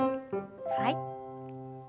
はい。